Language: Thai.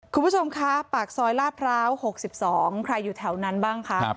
คุณผู้ชมคะปากซอยลาดพร้าว๖๒ใครอยู่แถวนั้นบ้างคะ